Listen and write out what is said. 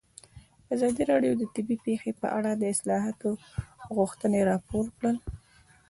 ازادي راډیو د طبیعي پېښې په اړه د اصلاحاتو غوښتنې راپور کړې.